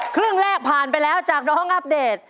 ครึ่งแรกผ่านไปแล้วจากน้องอัปเดต